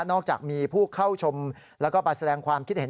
อกจากมีผู้เข้าชมแล้วก็ไปแสดงความคิดเห็น